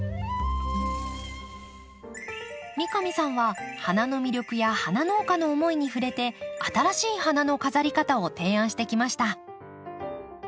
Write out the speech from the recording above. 三上さんは花の魅力や花農家の思いに触れて新しい花の飾り方を提案してきました。